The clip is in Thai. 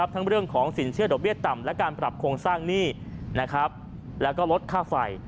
ทั้งเรื่องของสินเชื่อดอกเบี้ยต่ำและการปรับโครงสร้างหนี้แล้วก็ลดค่าไฟ